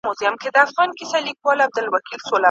داسي مو ډیري مقدسي سلسلې ماتي کړې